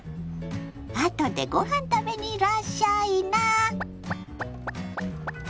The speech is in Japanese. あとでごはん食べにいらっしゃいな。